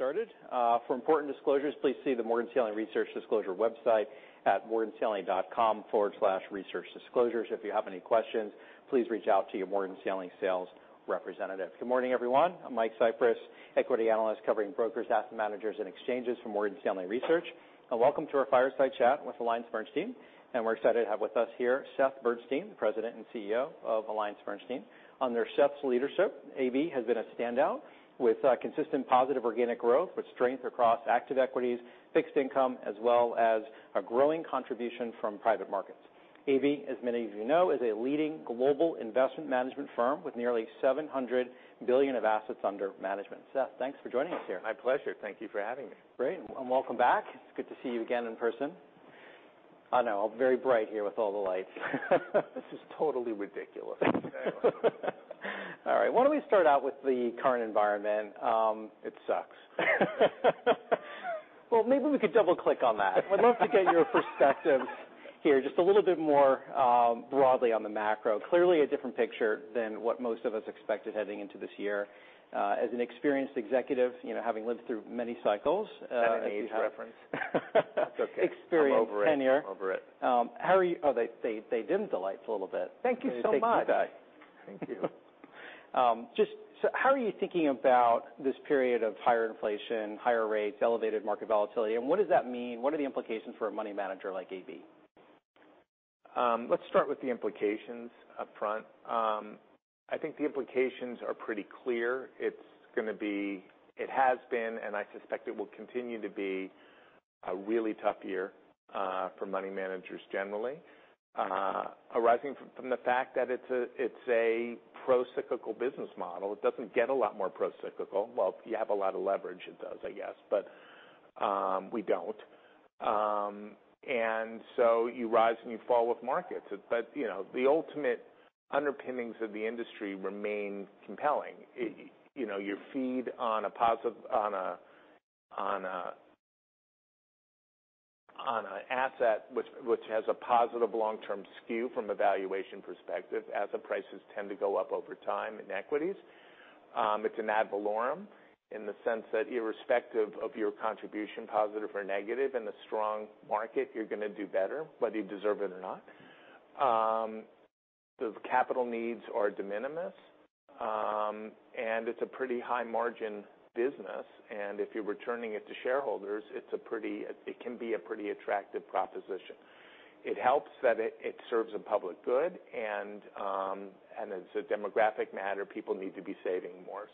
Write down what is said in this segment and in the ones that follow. Get started. For important disclosures, please see the Morgan Stanley Research disclosure website at morganstanley.com/researchdisclosures. If you have any questions, please reach out to your Morgan Stanley sales representative. Good morning, everyone. I'm Mike Cyprys, equity analyst covering brokers, asset managers, and exchanges for Morgan Stanley Research. Welcome to our Fireside Chat with AllianceBernstein. We're excited to have with us here, Seth Bernstein, President and CEO of AllianceBernstein. Under Seth's leadership, AB has been a standout with consistent positive organic growth, with strength across active equities, fixed income, as well as a growing contribution from private markets. AB, as many of you know, is a leading global investment management firm with nearly $700 billion of assets under management. Seth, thanks for joining us here. My pleasure. Thank you for having me. Great, welcome back. It's good to see you again in person. I know, very bright here with all the lights. This is totally ridiculous. All right. Why don't we start out with the current environment? It sucks. Well, maybe we could double-click on that. I'd love to get your perspective here just a little bit more, broadly on the macro. Clearly a different picture than what most of us expected heading into this year. As an experienced executive, you know, having lived through many cycles. Is that an age reference? It's okay. Experienced tenure. I'm over it. Oh, they dimmed the lights a little bit. Thank you so much. They take the day. Thank you. How are you thinking about this period of higher inflation, higher rates, elevated market volatility, and what does that mean? What are the implications for a money manager like AB? Let's start with the implications up front. I think the implications are pretty clear. It has been, and I suspect it will continue to be a really tough year for money managers generally. Arising from the fact that it's a pro-cyclical business model. It doesn't get a lot more pro-cyclical. Well, if you have a lot of leverage, it does, I guess, but we don't. You rise and you fall with markets. You know, the ultimate underpinnings of the industry remain compelling. You know, you feed on a positive asset which has a positive long-term skew from a valuation perspective as the prices tend to go up over time in equities. It's an ad valorem in the sense that irrespective of your contribution, positive or negative, in a strong market, you're gonna do better, whether you deserve it or not. The capital needs are de minimis, and it's a pretty high margin business. If you're returning it to shareholders, it can be a pretty attractive proposition. It helps that it serves a public good and as a demographic matter, people need to be saving more.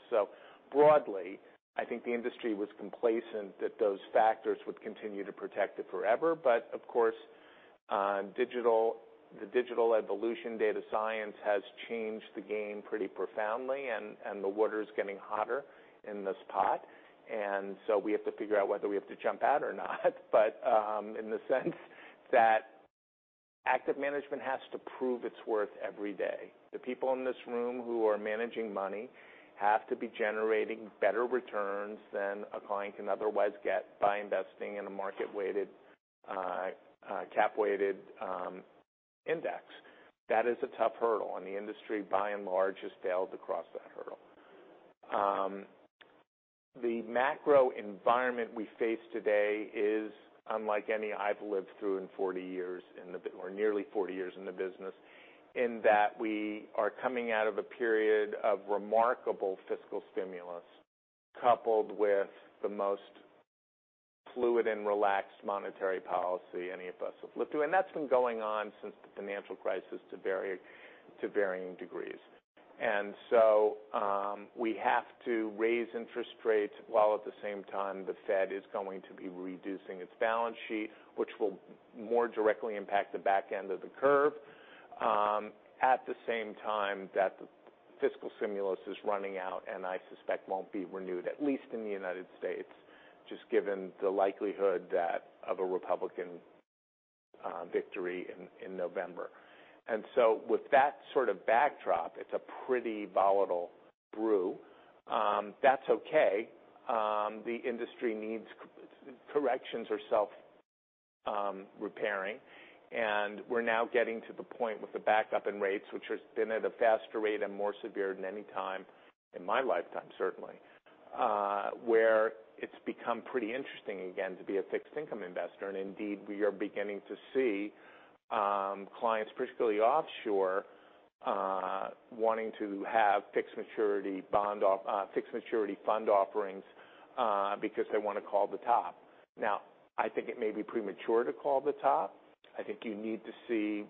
Broadly, I think the industry was complacent that those factors would continue to protect it forever. Of course, the digital evolution data science has changed the game pretty profoundly, and the water's getting hotter in this pot. We have to figure out whether we have to jump out or not, but, in the sense that active management has to prove its worth every day. The people in this room who are managing money have to be generating better returns than a client can otherwise get by investing in a market-weighted, cap-weighted, index. That is a tough hurdle, and the industry, by and large, has failed to cross that hurdle. The macro environment we face today is unlike any I've lived through in 40 years or nearly 40 years in the business, in that we are coming out of a period of remarkable fiscal stimulus, coupled with the most fluid and relaxed monetary policy any of us have lived through. That's been going on since the financial crisis to varying degrees. We have to raise interest rates, while at the same time the Fed is going to be reducing its balance sheet, which will more directly impact the back end of the curve. At the same time that the fiscal stimulus is running out, and I suspect won't be renewed, at least in the United States, just given the likelihood of a Republican victory in November. With that sort of backdrop, it's a pretty volatile brew. That's okay. The industry needs corrections or self-repairing. We're now getting to the point with the backup in rates, which has been at a faster rate and more severe than any time in my lifetime, certainly, where it's become pretty interesting again to be a fixed income investor. Indeed, we are beginning to see clients, particularly offshore, wanting to have Fixed Maturity Fund offerings, because they wanna call the top. Now, I think it may be premature to call the top. I think you need to see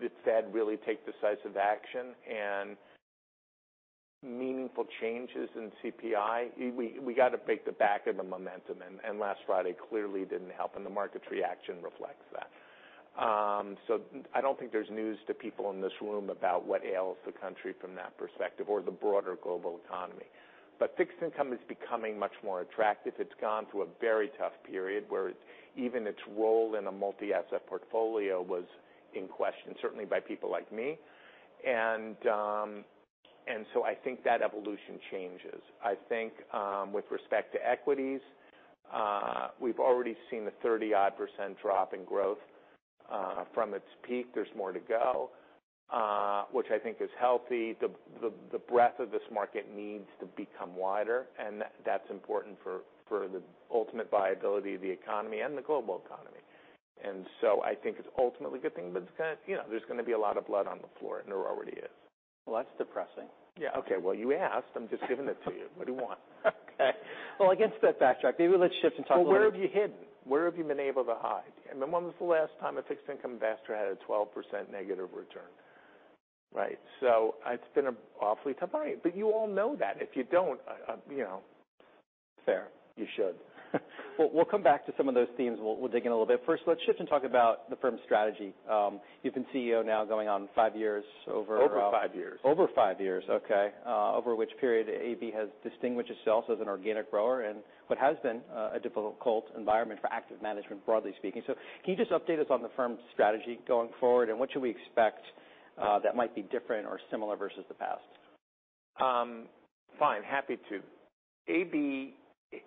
the Fed really take decisive action and meaningful changes in CPI. We gotta break the back of the momentum, and last Friday clearly didn't help, and the market's reaction reflects that. I don't think there's news to people in this room about what ails the country from that perspective or the broader global economy. Fixed income is becoming much more attractive. It's gone through a very tough period where even its role in a multi-asset portfolio was in question, certainly by people like me. I think that evolution changes. I think, with respect to equities. We've already seen the 30-odd% drop in growth from its peak. There's more to go, which I think is healthy. The breadth of this market needs to become wider, and that's important for the ultimate viability of the economy and the global economy. I think it's ultimately a good thing, but it's gonna. You know, there's gonna be a lot of blood on the floor, and there already is. Well, that's depressing. Yeah, okay. Well, you asked. I'm just giving it to you. What do you want? Okay. Well, I guess let's backtrack. Maybe let's shift and talk a little. Well, where have you hidden? Where have you been able to hide? When was the last time a fixed income investor had a 12% negative return? Right. It's been awfully tight. You all know that. If you don't, you know. Fair. You should. We'll come back to some of those themes. We'll dig in a little bit. First, let's shift and talk about the firm's strategy. You've been CEO now going on five years. Over five years. Over five years, okay. Over which period AB has distinguished itself as an organic grower in what has been, a difficult environment for active management, broadly speaking. Can you just update us on the firm's strategy going forward, and what should we expect, that might be different or similar versus the past? Fine. Happy to. AB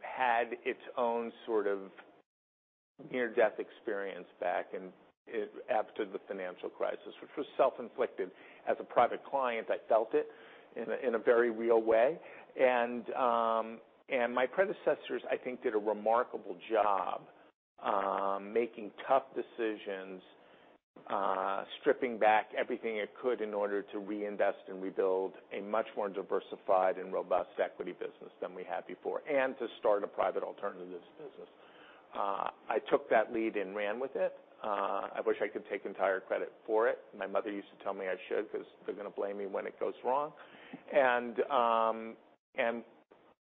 had its own sort of near-death experience back in after the financial crisis, which was self-inflicted. As a private client, I felt it in a very real way. My predecessors, I think, did a remarkable job making tough decisions, stripping back everything it could in order to reinvest and rebuild a much more diversified and robust equity business than we had before, and to start a private alternatives business. I took that lead and ran with it. I wish I could take entire credit for it. My mother used to tell me I should 'cause they're gonna blame me when it goes wrong.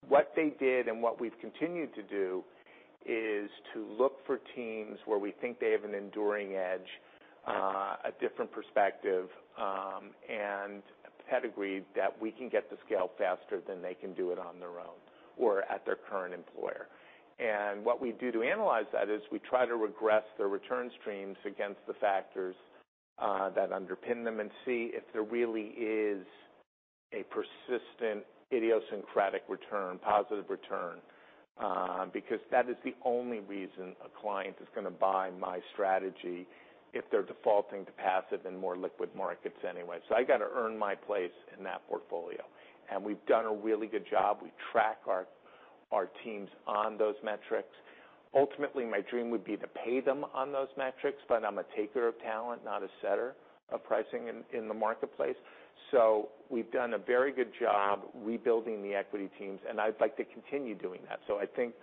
What they did and what we've continued to do is to look for teams where we think they have an enduring edge, a different perspective, and pedigree that we can get to scale faster than they can do it on their own or at their current employer. What we do to analyze that is we try to regress their return streams against the factors that underpin them and see if there really is a persistent idiosyncratic return, positive return, because that is the only reason a client is gonna buy my strategy if they're defaulting to passive and more liquid markets anyway. I gotta earn my place in that portfolio. We've done a really good job. We track our teams on those metrics. Ultimately, my dream would be to pay them on those metrics, but I'm a taker of talent, not a setter of pricing in the marketplace. We've done a very good job rebuilding the equity teams, and I'd like to continue doing that. I think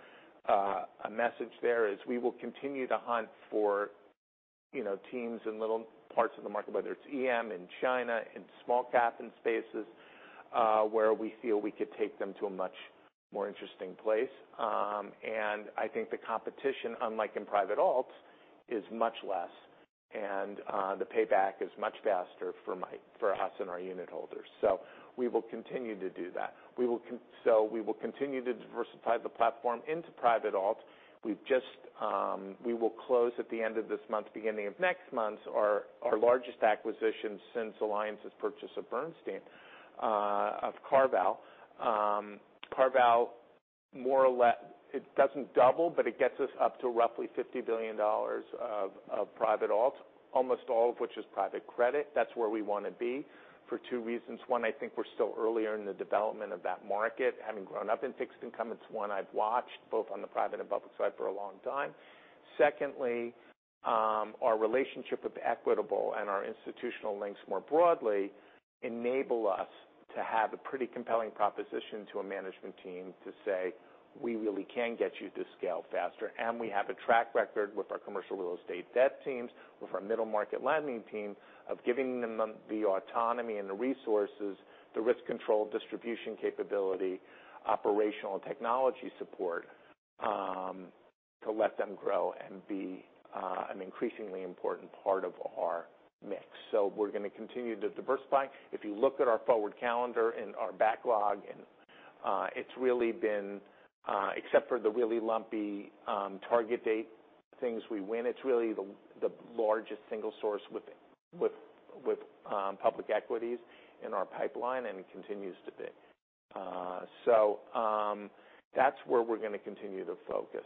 a message there is we will continue to hunt for, you know, teams in little parts of the market, whether it's EM in China, in small-cap spaces, where we feel we could take them to a much more interesting place. I think the competition, unlike in private alts, is much less, and the payback is much faster for us and our unit holders. We will continue to do that. We will continue to diversify the platform into private alts. We've just. We will close at the end of this month, beginning of next month, our largest acquisition since Alliance's purchase of Bernstein, of CarVal. CarVal. It doesn't double, but it gets us up to roughly $50 billion of private alts, almost all of which is private credit. That's where we wanna be for two reasons. One, I think we're still earlier in the development of that market. Having grown up in fixed income, it's one I've watched both on the private and public side for a long time. Secondly, our relationship with Equitable and our institutional links more broadly enable us to have a pretty compelling proposition to a management team to say, "We really can get you to scale faster." We have a track record with our commercial real estate debt teams, with our middle market lending team of giving them the autonomy and the resources, the risk control, distribution capability, operational and technology support, to let them grow and be an increasingly important part of our mix. We're gonna continue to diversify. If you look at our forward calendar and our backlog and it's really been except for the really lumpy target date things we win, it's really the largest single source with public equities in our pipeline and continues to be. That's where we're gonna continue to focus.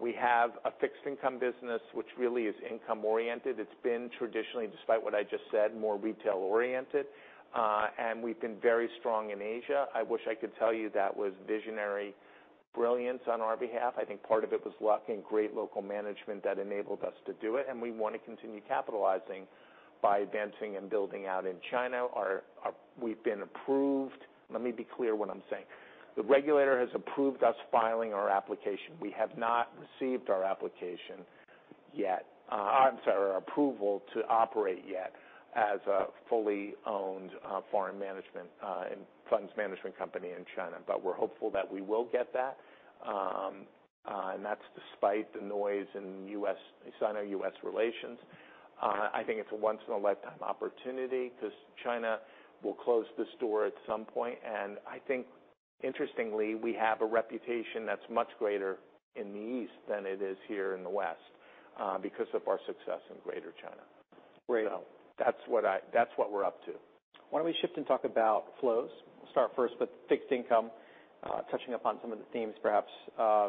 We have a fixed income business which really is income-oriented. It's been traditionally, despite what I just said, more retail-oriented. We've been very strong in Asia. I wish I could tell you that was visionary brilliance on our behalf. I think part of it was luck and great local management that enabled us to do it, and we wanna continue capitalizing by advancing and building out in China. We've been approved. Let me be clear what I'm saying. The regulator has approved us filing our application. We have not received our approval to operate yet as a fully owned foreign management and funds management company in China. We're hopeful that we will get that. That's despite the noise in U.S., Sino-U.S. relations. I think it's a once in a lifetime opportunity because China will close this door at some point. I think interestingly, we have a reputation that's much greater in the East than it is here in the West, because of our success in Greater China. Great. That's what we're up to. Why don't we shift and talk about flows? We'll start first with fixed income. Touching upon some of the themes perhaps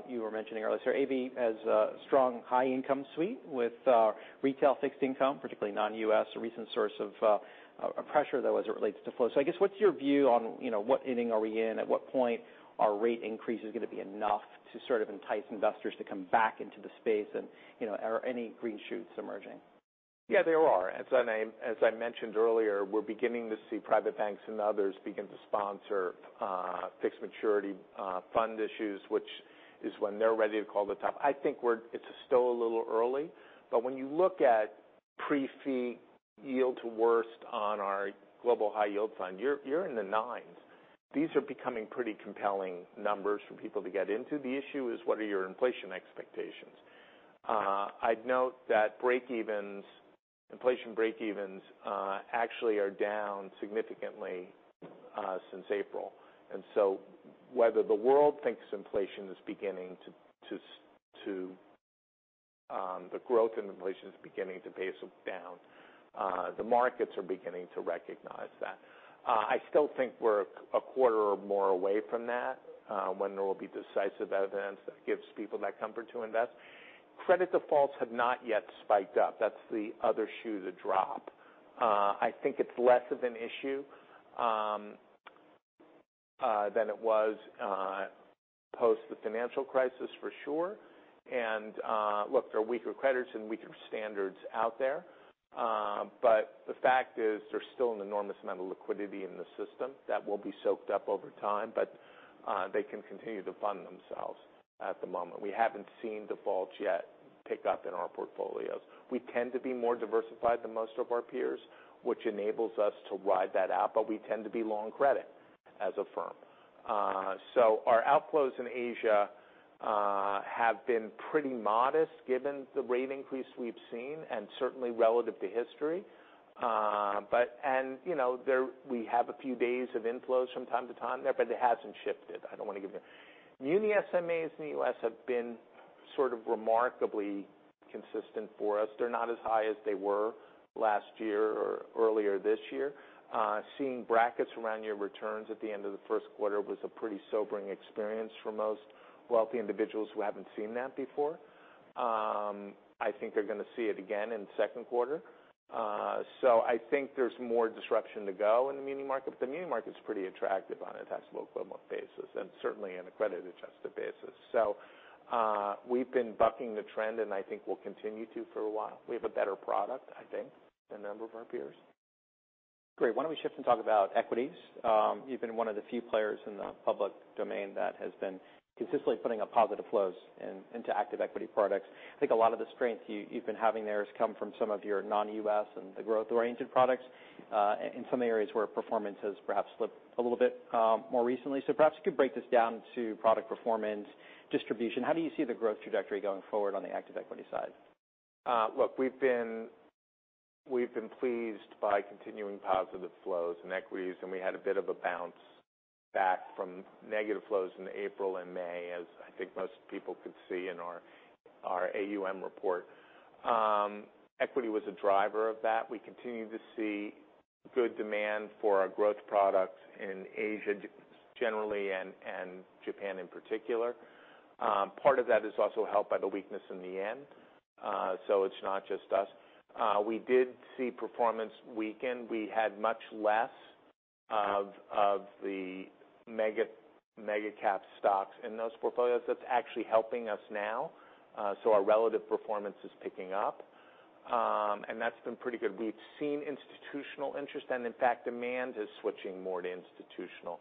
you were mentioning earlier. AB has a strong high income suite with retail fixed income, particularly non-U.S., a recent source of pressure though as it relates to flow. I guess, what's your view on, you know, what inning are we in? At what point are rate increases gonna be enough to sort of entice investors to come back into the space? And, you know, are any green shoots emerging? Yeah, there are. As I mentioned earlier, we're beginning to see private banks and others begin to sponsor Fixed Maturity Fund issues, which is when they're ready to call the top. I think it's still a little early, but when you look at pre-fee yield to worst on our global high yield fund, you're in the nines. These are becoming pretty compelling numbers for people to get into. The issue is what are your inflation expectations? I'd note that breakevens, inflation breakevens, actually are down significantly since April. Whether the world thinks the growth in inflation is beginning to base down, the markets are beginning to recognize that. I still think we're a quarter or more away from that, when there will be decisive evidence that gives people that comfort to invest. Credit defaults have not yet spiked up. That's the other shoe to drop. I think it's less of an issue than it was post the financial crisis for sure. Look, there are weaker credits and weaker standards out there. The fact is there's still an enormous amount of liquidity in the system that will be soaked up over time, but they can continue to fund themselves at the moment. We haven't seen defaults yet pick up in our portfolios. We tend to be more diversified than most of our peers, which enables us to ride that out, but we tend to be long credit as a firm. Our outflows in Asia have been pretty modest given the rate increase we've seen and certainly relative to history. You know, we have a few days of inflows from time to time there, but it hasn't shifted. I don't wanna give you Muni SMAs in the U.S. have been sort of remarkably consistent for us. They're not as high as they were last year or earlier this year. Seeing brackets around your returns at the end of the first quarter was a pretty sobering experience for most wealthy individuals who haven't seen that before. I think they're gonna see it again in second quarter. I think there's more disruption to go in the muni market, but the muni market's pretty attractive on a taxable equivalent basis and certainly in a credit-adjusted basis. We've been bucking the trend, and I think we'll continue to for a while. We have a better product, I think, than a number of our peers. Great. Why don't we shift and talk about equities? You've been one of the few players in the public domain that has been consistently putting up positive flows into active equity products. I think a lot of the strength you've been having there has come from some of your non-U.S. and the growth-oriented products, in some areas where performance has perhaps slipped a little bit, more recently. Perhaps you could break this down to product performance, distribution. How do you see the growth trajectory going forward on the active equity side? Look, we've been pleased by continuing positive flows in equities, and we had a bit of a bounce back from negative flows in April and May, as I think most people could see in our AUM report. Equity was a driver of that. We continue to see good demand for our growth products in Asia generally and Japan in particular. Part of that is also helped by the weakness in the yen. It's not just us. We did see performance weaken. We had much less of the mega cap stocks in those portfolios. That's actually helping us now. Our relative performance is picking up. That's been pretty good. We've seen institutional interest, and in fact, demand is switching more to institutional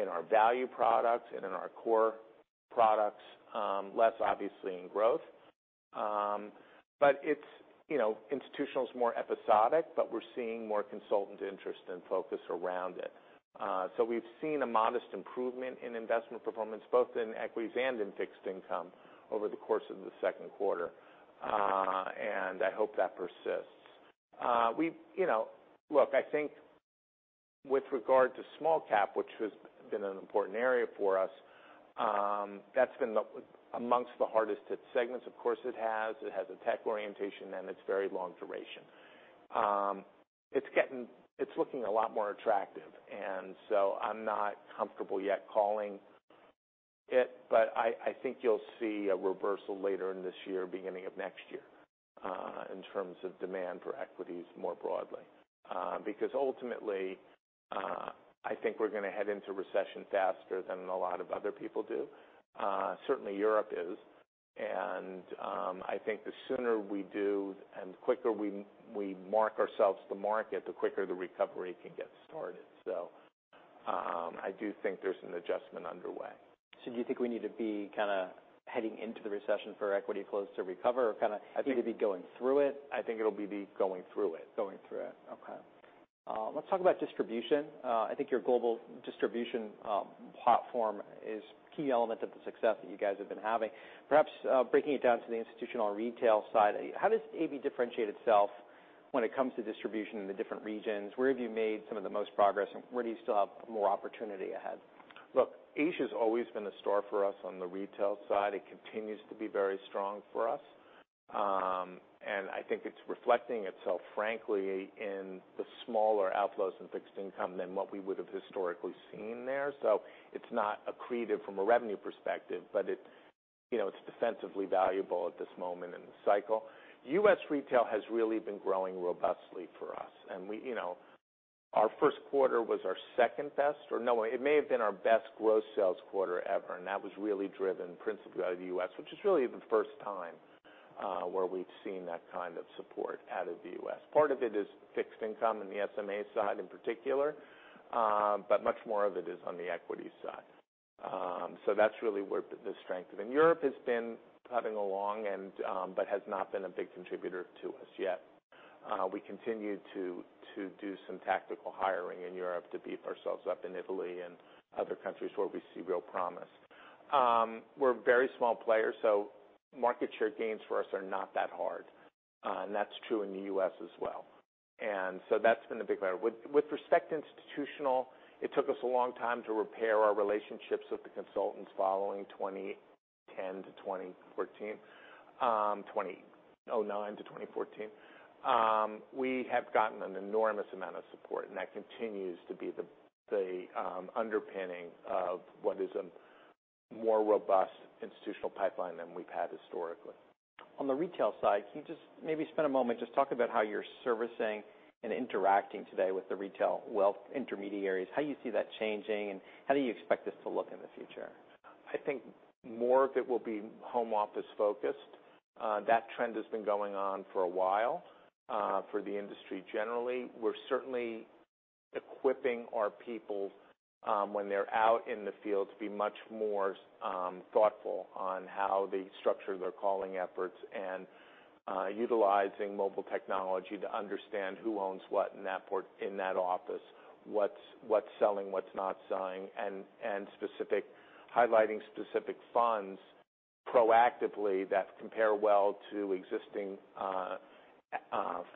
in our value products and in our core products, less obviously in growth. It's, you know, institutional is more episodic, but we're seeing more consultant interest and focus around it. We've seen a modest improvement in investment performance, both in equities and in fixed income over the course of the second quarter. I hope that persists. We've, you know. Look, I think with regard to small cap, which has been an important area for us, that's been among the hardest hit segments. Of course, it has. It has a tech orientation, and it's very long duration. It's looking a lot more attractive, and so I'm not comfortable yet calling it, but I think you'll see a reversal later in this year, beginning of next year, in terms of demand for equities more broadly. Because ultimately, I think we're gonna head into recession faster than a lot of other people do. Certainly Europe is. I think the sooner we do and the quicker we mark ourselves the market, the quicker the recovery can get started. I do think there's an adjustment underway. Do you think we need to be kinda heading into the recession for equity flows to recover or kinda? I think- Need to be going through it? I think it'll be the going through it. Going through it. Okay. Let's talk about distribution. I think your global distribution platform is key element of the success that you guys have been having. Perhaps, breaking it down to the institutional retail side, how does AB differentiate itself when it comes to distribution in the different regions? Where have you made some of the most progress, and where do you still have more opportunity ahead? Look, Asia has always been a store for us on the retail side. It continues to be very strong for us. I think it's reflecting itself, frankly, in the smaller outflows in fixed income than what we would've historically seen there. It's not accretive from a revenue perspective, but it, you know, it's defensively valuable at this moment in the cycle. U.S. retail has really been growing robustly for us, and we, you know. Our first quarter was our second best or no, it may have been our best gross sales quarter ever, and that was really driven principally out of the U.S., which is really the first time where we've seen that kind of support out of the U.S. Part of it is fixed income in the SMA side in particular, but much more of it is on the equity side. That's really where the strength. Europe has been plugging along and, but has not been a big contributor to us yet. We continue to do some tactical hiring in Europe to beef ourselves up in Italy and other countries where we see real promise. We're a very small player, so market share gains for us are not that hard. That's been a big driver. With respect to institutional, it took us a long time to repair our relationships with the consultants following 2009-2014. We have gotten an enormous amount of support, and that continues to be the underpinning of what is a more robust institutional pipeline than we've had historically. On the retail side, can you just maybe spend a moment just talk about how you're servicing and interacting today with the retail wealth intermediaries, how you see that changing, and how do you expect this to look in the future? I think more of it will be home office-focused. That trend has been going on for a while, for the industry generally. We're certainly equipping our people, when they're out in the field to be much more, thoughtful on how they structure their calling efforts and, utilizing mobile technology to understand who owns what in that office. What's selling, what's not selling, and highlighting specific funds proactively that compare well to existing,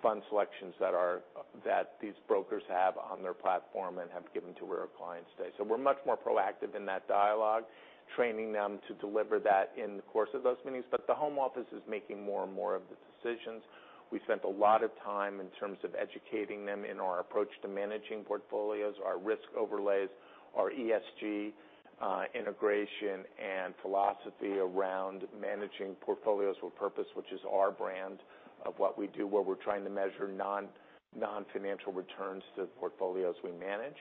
fund selections that these brokers have on their platform and have given to where our clients stay. We're much more proactive in that dialogue, training them to deliver that in the course of those meetings. The home office is making more and more of the decisions. We spent a lot of time in terms of educating them in our approach to managing portfolios, our risk overlays, our ESG integration, and philosophy around managing Portfolios with Purpose, which is our brand of what we do, where we're trying to measure non-financial returns to the portfolios we manage.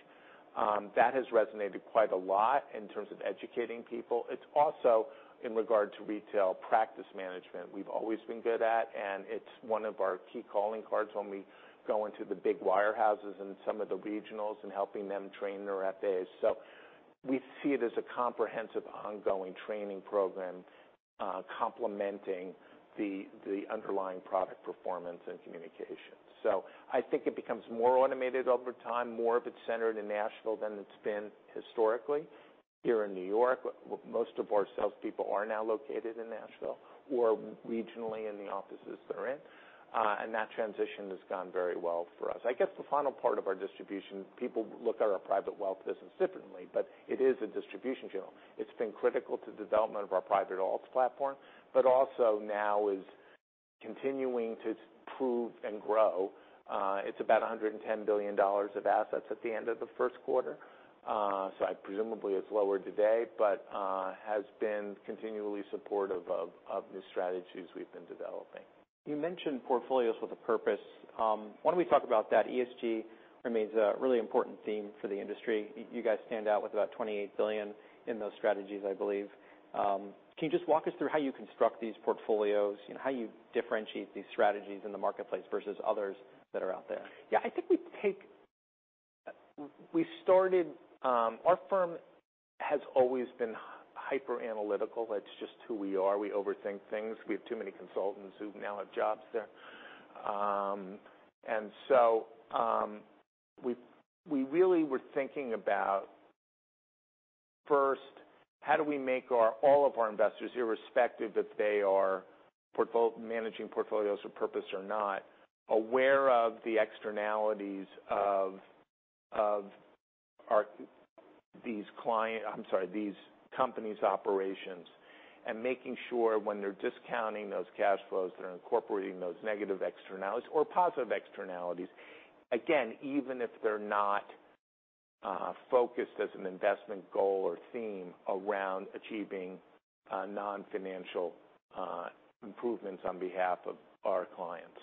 That has resonated quite a lot in terms of educating people. It's also in regard to retail practice management we've always been good at, and it's one of our key calling cards when we go into the big wirehouses and some of the regionals and helping them train their FAs. We see it as a comprehensive ongoing training program complementing the underlying product performance and communication. I think it becomes more automated over time, more of it centered in Nashville than it's been historically. Here in New York, most of our salespeople are now located in Nashville or regionally in the offices they're in. That transition has gone very well for us. I guess the final part of our distribution, people look at our private wealth business differently, but it is a distribution channel. It's been critical to the development of our private alts platform, but also now is continuing to prove and grow. It's about $110 billion of assets at the end of the first quarter. So presumably it's lower today, but has been continually supportive of the strategies we've been developing. You mentioned Portfolios with Purpose. Why don't we talk about that? ESG remains a really important theme for the industry. You guys stand out with about $28 billion in those strategies, I believe. Can you just walk us through how you construct these portfolios and how you differentiate these strategies in the marketplace versus others that are out there? Yeah. I think we started. Our firm has always been hyper-analytical. That's just who we are. We overthink things. We have too many consultants who now have jobs there. We really were thinking about, first, how do we make all of our investors, irrespective if they are managing Portfolios with Purpose or not, aware of the externalities of these companies' operations, and making sure when they're discounting those cash flows, they're incorporating those negative externalities or positive externalities, again, even if they're not focused as an investment goal or theme around achieving non-financial improvements on behalf of our clients.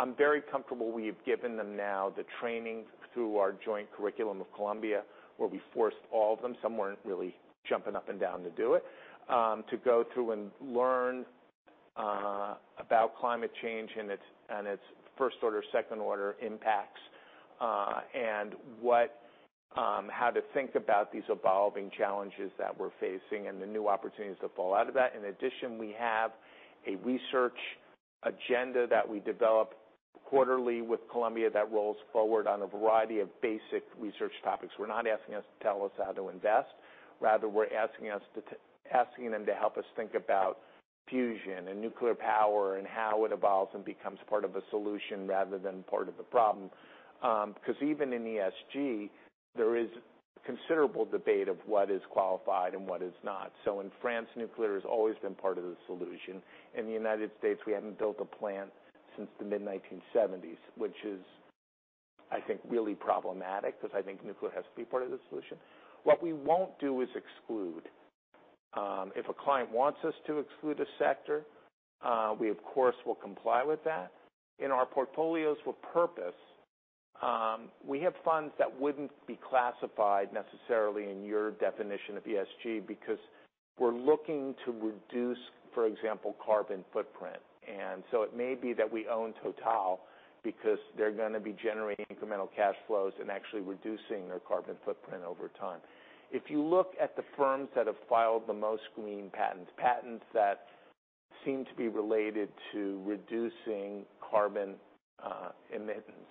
I'm very comfortable we've given them now the training through our joint curriculum of Columbia, where we forced all of them, some weren't really jumping up and down to do it, to go through and learn about climate change and its first order, second order impacts, and how to think about these evolving challenges that we're facing and the new opportunities that fall out of that. In addition, we have a research agenda that we develop quarterly with Columbia that rolls forward on a variety of basic research topics. We're not asking them to tell us how to invest. Rather, we're asking them to help us think about fusion and nuclear power and how it evolves and becomes part of a solution rather than part of the problem. Because even in ESG, there is considerable debate of what is qualified and what is not. In France, nuclear has always been part of the solution. In the United States, we haven't built a plant since the mid-1970s, which is, I think, really problematic because I think nuclear has to be part of the solution. What we won't do is exclude. If a client wants us to exclude a sector, we of course, will comply with that. In our Portfolios with Purpose, we have funds that wouldn't be classified necessarily in your definition of ESG because we're looking to reduce, for example, carbon footprint. It may be that we own Total because they're gonna be generating incremental cash flows and actually reducing their carbon footprint over time. If you look at the firms that have filed the most green patents that seem to be related to reducing carbon emissions,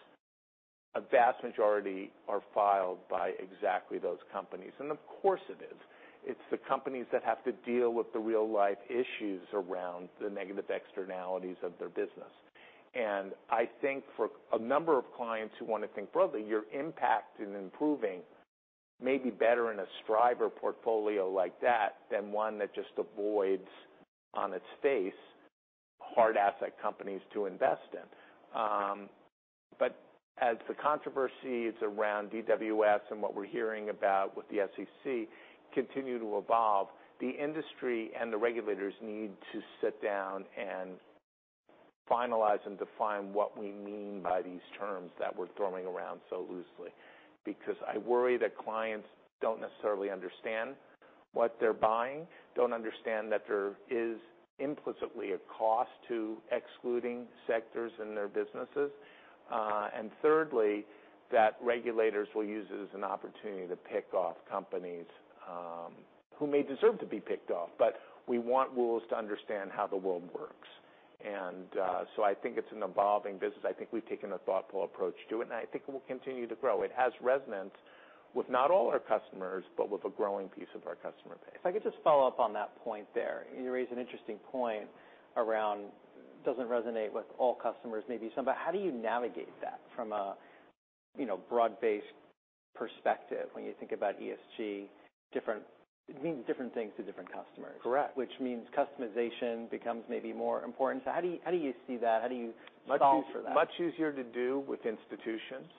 a vast majority are filed by exactly those companies. Of course it is. It's the companies that have to deal with the real-life issues around the negative externalities of their business. I think for a number of clients who want to think broadly, your impact in improving may be better in a striver portfolio like that than one that just avoids on its face hard asset companies to invest in. As the controversies around DWS and what we're hearing about with the SEC continue to evolve, the industry and the regulators need to sit down and finalize and define what we mean by these terms that we're throwing around so loosely. Because I worry that clients don't necessarily understand what they're buying, don't understand that there is implicitly a cost to excluding sectors in their businesses. Thirdly, that regulators will use it as an opportunity to pick off companies, who may deserve to be picked off. We want rules to understand how the world works. I think it's an evolving business. I think we've taken a thoughtful approach to it, and I think it will continue to grow. It has resonance with not all our customers, but with a growing piece of our customer base. If I could just follow up on that point there. You raise an interesting point around, it doesn't resonate with all customers, maybe some, but how do you navigate that from a, you know, broad-based perspective when you think about ESG, different, it means different things to different customers. Correct. Which means customization becomes maybe more important. How do you see that? How do you solve for that? Much easier to do with institutions.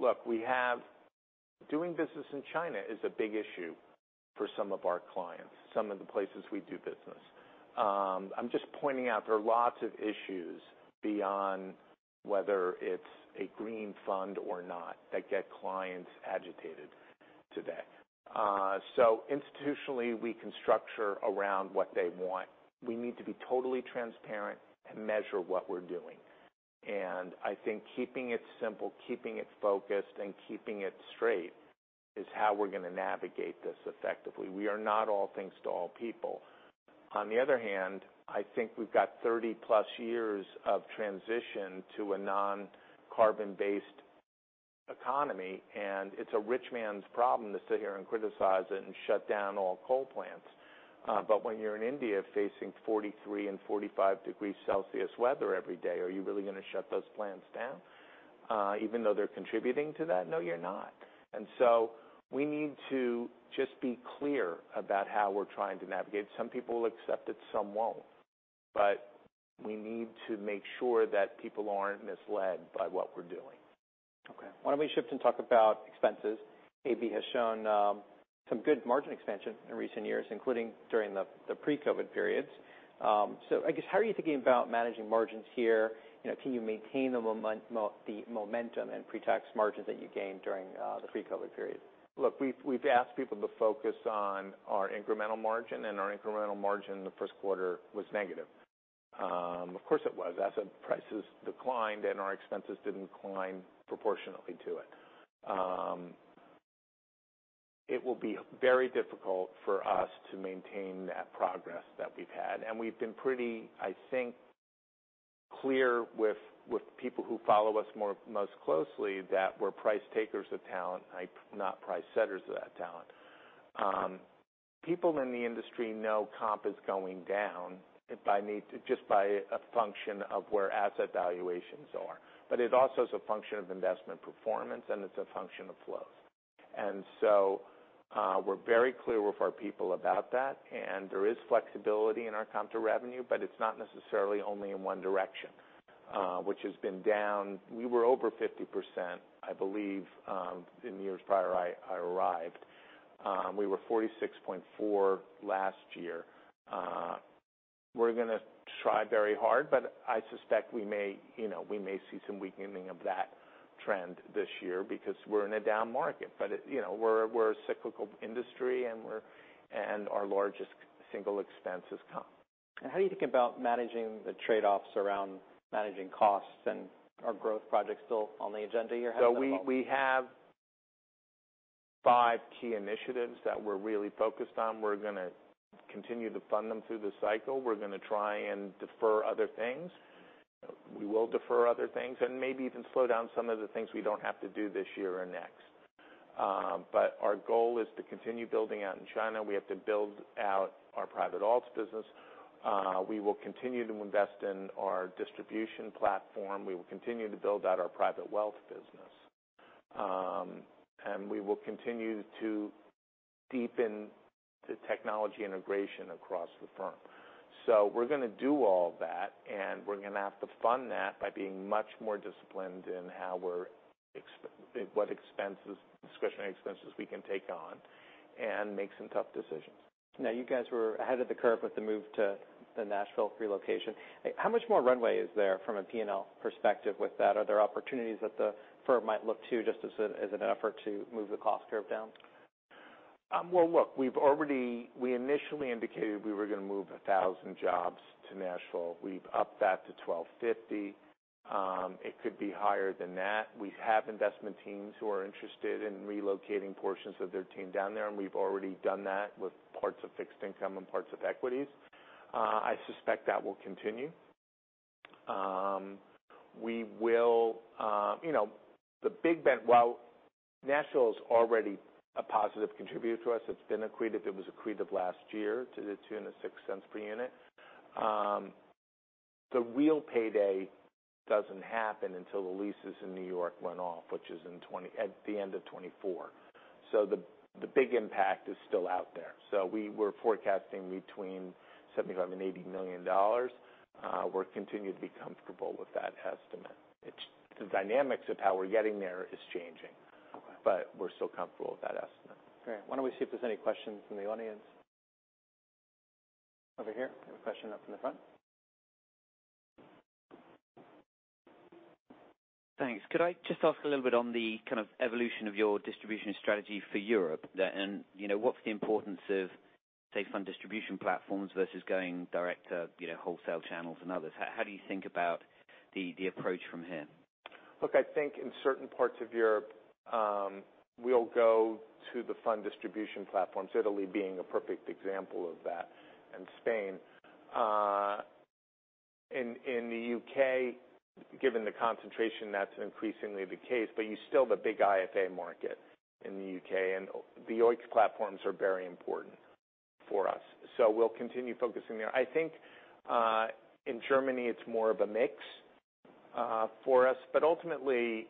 Look, doing business in China is a big issue for some of our clients, some of the places we do business. I'm just pointing out there are lots of issues beyond whether it's a green fund or not that get clients agitated today. Institutionally, we can structure around what they want. We need to be totally transparent and measure what we're doing. I think keeping it simple, keeping it focused, and keeping it straight is how we're gonna navigate this effectively. We are not all things to all people. On the other hand, I think we've got 30+ years of transition to a non-carbon-based economy, and it's a rich man's problem to sit here and criticize it and shut down all coal plants. When you're in India facing 43 and 45 degrees Celsius weather every day, are you really gonna shut those plants down, even though they're contributing to that? No, you're not. We need to just be clear about how we're trying to navigate. Some people will accept it, some won't. We need to make sure that people aren't misled by what we're doing. Okay. Why don't we shift and talk about expenses? AB has shown some good margin expansion in recent years, including during the pre-COVID periods. I guess, how are you thinking about managing margins here? You know, can you maintain the momentum and pre-tax margins that you gained during the pre-COVID period? Look, we've asked people to focus on our incremental margin, and our incremental margin in the first quarter was negative. Of course it was. Asset prices declined and our expenses didn't climb proportionately to it. It will be very difficult for us to maintain that progress that we've had. We've been pretty, I think, clear with people who follow us most closely that we're price takers of talent, not price setters of that talent. People in the industry know comp is going down if I may just by a function of where asset valuations are. It also is a function of investment performance, and it's a function of flows. We're very clear with our people about that, and there is flexibility in our comp to revenue, but it's not necessarily only in one direction, which has been down. We were over 50%, I believe, in the years prior I arrived. We were 46.4% last year. We're gonna try very hard, but I suspect we may, you know, we may see some weakening of that trend this year because we're in a down market. But it, you know, we're a cyclical industry, and our largest single expense is comp. How are you thinking about managing the trade-offs around managing costs and are growth projects still on the agenda you have as well? We have five key initiatives that we're really focused on. We're gonna continue to fund them through the cycle. We're gonna try and defer other things. We will defer other things and maybe even slow down some of the things we don't have to do this year or next. Our goal is to continue building out in China. We have to build out our private alts business. We will continue to invest in our distribution platform. We will continue to build out our private wealth business. We will continue to deepen the technology integration across the firm. We're gonna do all that, and we're gonna have to fund that by being much more disciplined in what expenses, discretionary expenses we can take on and make some tough decisions. Now, you guys were ahead of the curve with the move to the Nashville relocation. How much more runway is there from a P&L perspective with that? Are there opportunities that the firm might look to just as an effort to move the cost curve down? We initially indicated we were gonna move 1,000 jobs to Nashville. We've upped that to 1,250. It could be higher than that. We have investment teams who are interested in relocating portions of their team down there, and we've already done that with parts of fixed income and parts of equities. I suspect that will continue. We will, you know, the big bet. While Nashville is already a positive contributor to us, it's been accreted. It was accreted last year to $0.02 and $0.06 per unit. The real payday doesn't happen until the leases in New York run off, which is at the end of 2024. The big impact is still out there. We were forecasting between $75 million and $80 million. We've continued to be comfortable with that estimate. It's the dynamics of how we're getting there is changing. Okay. We're still comfortable with that estimate. Great. Why don't we see if there's any questions from the audience? Over here, a question up in the front. Thanks. Could I just ask a little bit on the kind of evolution of your distribution strategy for Europe? You know, what's the importance of, say, fund distribution platforms versus going direct to, you know, wholesale channels and others? How do you think about the approach from here? Look, I think in certain parts of Europe, we'll go to the fund distribution platforms, Italy being a perfect example of that, and Spain. In the U.K., given the concentration, that's increasingly the case, but there's still the big IFA market in the U.K., and the OEICs platforms are very important for us. We'll continue focusing there. I think in Germany, it's more of a mix for us, but ultimately,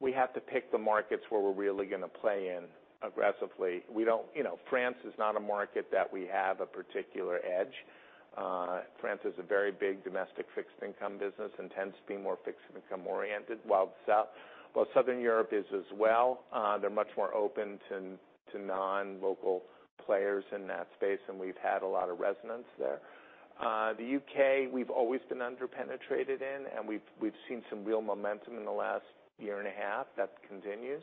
we have to pick the markets where we're really gonna play aggressively. You know, France is not a market that we have a particular edge. France is a very big domestic fixed income business and tends to be more fixed income-oriented, while Southern Europe is as well. They're much more open to non-local players in that space, and we've had a lot of resonance there. The U.K., we've always been under-penetrated in, and we've seen some real momentum in the last year and a half that continues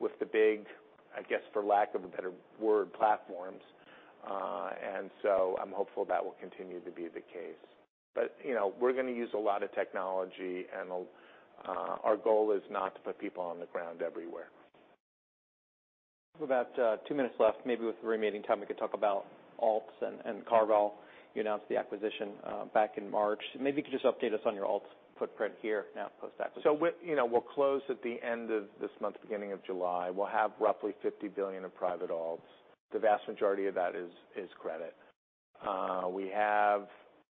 with the big, I guess, for lack of a better word, platforms. I'm hopeful that will continue to be the case. You know, we're gonna use a lot of technology, and our goal is not to put people on the ground everywhere. We've about two minutes left. Maybe with the remaining time, we could talk about alts and CarVal. You announced the acquisition back in March. Maybe you could just update us on your alts footprint here now post-acquisition. You know, we'll close at the end of this month, beginning of July. We'll have roughly $50 billion of private alts. The vast majority of that is credit. We have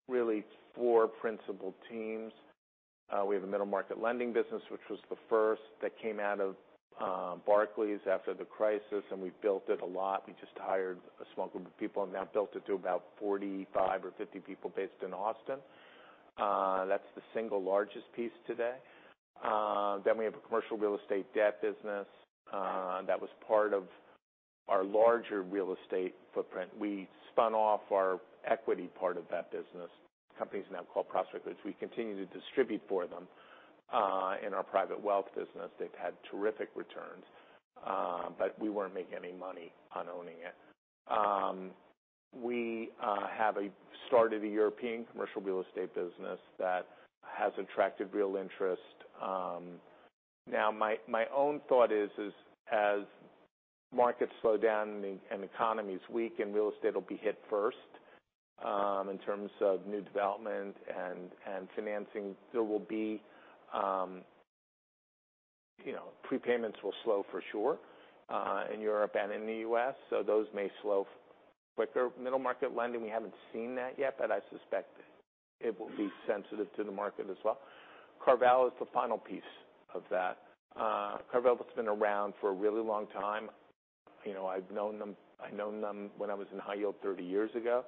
really four principal teams. We have a middle market lending business, which was the first that came out of Barclays after the crisis, and we built it a lot. We just hired a small group of people and now built it to about 45 or 50 people based in Austin. That's the single largest piece today. We have a commercial real estate debt business, that was part of our larger real estate footprint. We spun off our equity part of that business. Company is now called Prospect Ridge. We continue to distribute for them, in our private wealth business. They've had terrific returns, but we weren't making any money on owning it. We started a European commercial real estate business that has attracted real interest. Now my own thought is as markets slow down and the economy is weak and real estate will be hit first, in terms of new development and financing, there will be, you know, prepayments will slow for sure, in Europe and in the U.S. Those may slow quicker. Middle market lending, we haven't seen that yet, but I suspect it will be sensitive to the market as well. CarVal is the final piece of that. CarVal has been around for a really long time. You know, I've known them when I was in high yield 30 years ago.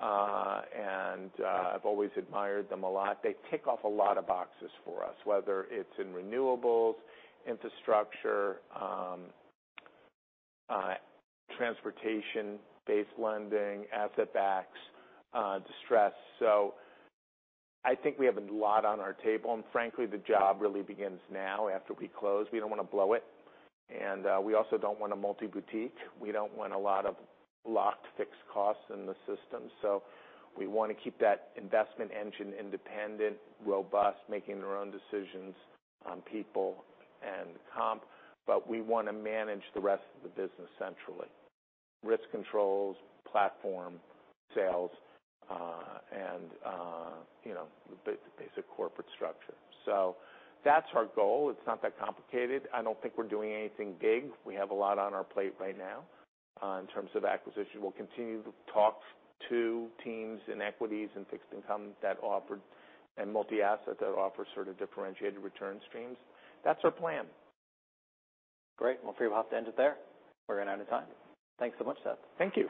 I've always admired them a lot. They tick off a lot of boxes for us, whether it's in renewables, infrastructure, transportation-based lending, asset backs, distress. I think we have a lot on our table, and frankly, the job really begins now after we close. We don't wanna blow it, we also don't want to multi-boutique. We don't want a lot of locked fixed costs in the system. We wanna keep that investment engine independent, robust, making their own decisions on people and comp, but we wanna manage the rest of the business centrally. Risk controls, platform, sales, and you know, basic corporate structure. That's our goal. It's not that complicated. I don't think we're doing anything big. We have a lot on our plate right now in terms of acquisition. We'll continue to talk to teams in equities and fixed income and multi-asset that offer sort of differentiated return streams. That's our plan. Great. Well, I'm afraid we'll have to end it there. We're gonna run out of time. Thanks so much, Seth. Thank you.